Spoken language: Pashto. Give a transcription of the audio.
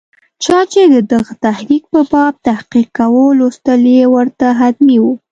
چا چې د دغه تحریک په باب تحقیق کاوه، لوستل یې ورته حتمي وو.